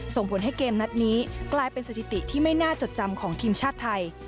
ส่งผลให้เกมนัดนี้กลายเป็นสถิติที่ไม่น่าจดจำของทีมชาติไทย